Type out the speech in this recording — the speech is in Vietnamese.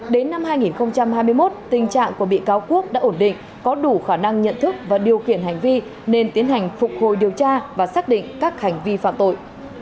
đến năm hai nghìn hai mươi một tình trạng của bị cáo quốc đã ổn định có đủ khả năng nhận thức và điều khiển hành vi nên tiến hành phục hồi điều tra và xác định các hành vi phạm tội